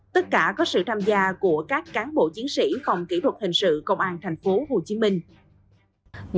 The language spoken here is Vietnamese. tất cả có sự tham gia của các cán bộ chiến sĩ phòng kỹ thuật hình sự công an tp hcm